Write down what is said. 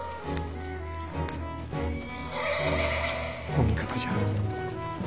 ・お味方じゃ。